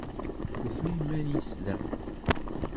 Tufa iman-nnes da.